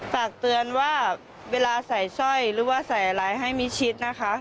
ฝากเตือนว่าเวลาใส่สร้อยหรือว่าใส่อะไรให้มิดชิดนะคะ